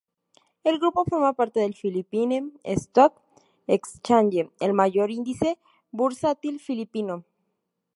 El grupo forma parte del "Philippine Stock Exchange", el mayor índice bursátil filipino.